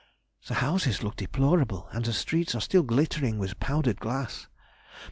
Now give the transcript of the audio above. The houses look deplorable, and the streets are still glittering with powdered glass.